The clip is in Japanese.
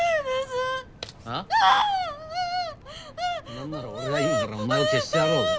なんなら俺が今からお前を消してやろうか？